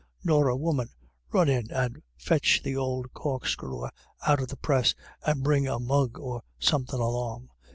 Norah, woman, run in and fetch th'ould cork screwer out of the press, and bring a mug or somethin' along.